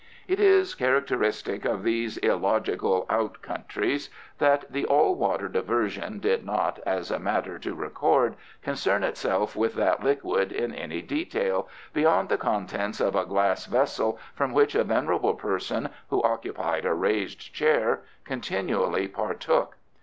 It is characteristic of these illogical out countries that the all water diversion did not, as a matter to record, concern itself with that liquid in any detail, beyond the contents of a glass vessel from which a venerable person, who occupied a raised chair, continually partook.